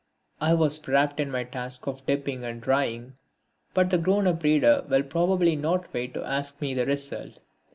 I was wrapt in my task of dipping and drying but the grown up reader will probably not wait to ask me the result.